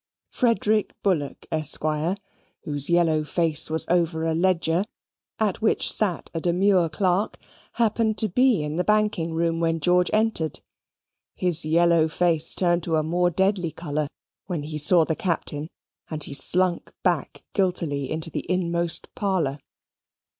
Frederick Bullock, Esq., whose yellow face was over a ledger, at which sate a demure clerk, happened to be in the banking room when George entered. His yellow face turned to a more deadly colour when he saw the Captain, and he slunk back guiltily into the inmost parlour.